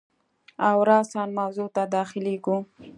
او راساً موضوع ته داخلیږو.